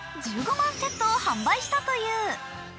１５万セットを販売したという。